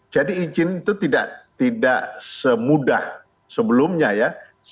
jadi izin itu tidak semudah sebelumnya ya